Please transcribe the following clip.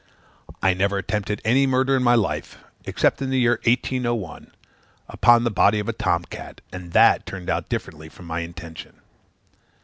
I never attempted any murder in my life, except in the year 1801, upon the body of a tom cat; and that turned out differently from my intention.